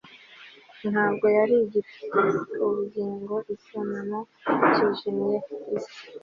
Ntabwo yari agifite ubugingo icyunamo cyijimye isi